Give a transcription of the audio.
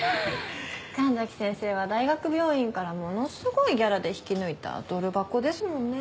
神崎先生は大学病院からものすごいギャラで引き抜いたドル箱ですもんね。